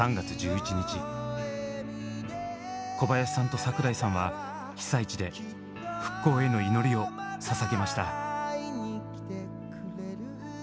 小林さんと櫻井さんは被災地で復興への祈りを捧げました。